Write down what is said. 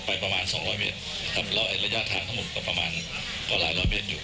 ประมาณสองร้อยเมตรครับแล้วไอ้ระยะทางทั้งหมดก็ประมาณกว่าหลายร้อยเมตรอยู่